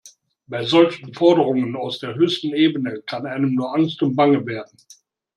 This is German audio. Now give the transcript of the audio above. Bei solchen Forderungen aus der höchsten Ebene kann einem nur angst und bange werden.